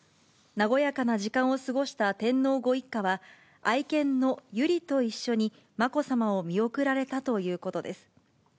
和やかな時間を過ごした天皇ご一家は、愛犬の由莉と一緒に、まこさまを見送られたということです。